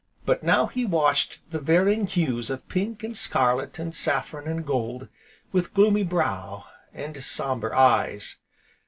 But now, he watched the varying hues of pink, and scarlet, and saffron, and gold, with gloomy brow, and sombre eyes.